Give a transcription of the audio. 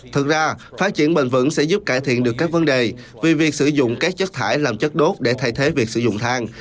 thực ra phát triển bền vững sẽ giúp cải thiện được các vấn đề vì việc sử dụng các chất thải làm chất đốt để thay thế việc sử dụng thang